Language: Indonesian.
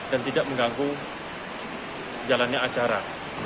dan tidak mengganggu jalannya acara